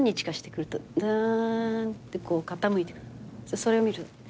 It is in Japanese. それを見る。